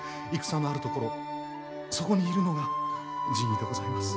戦のある所そこにいるのが陣医でございます。